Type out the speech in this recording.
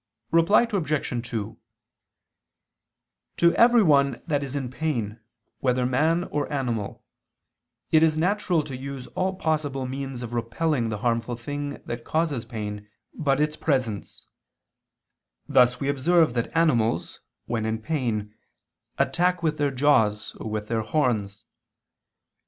Reply Obj. 2: To everyone that is in pain, whether man or animal, it is natural to use all possible means of repelling the harmful thing that causes pain but its presence: thus we observe that animals, when in pain, attack with their jaws or with their horns.